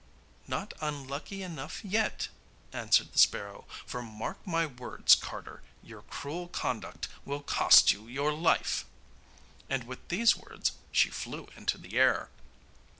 'Not unlucky enough yet,' answered the sparrow; 'for, mark my words, carter, your cruel conduct will cost you your life;' and with these words she flew into the air.